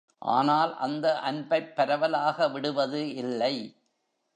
ஆனால் அந்த அன்பைப் பரவலாக விடுவது இல்லை.